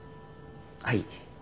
はい。